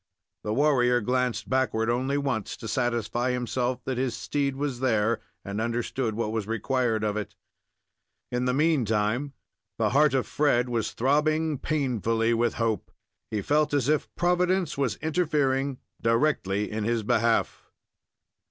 The warrior glanced backward only once, to satisfy himself that his steed was there, and understood what was required of it. In the meantime, the heart of Fred was throbbing painfully with hope. He felt as if Providence was interfering directly in his behalf.